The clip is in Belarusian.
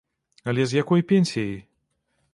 Але з якой пенсіяй?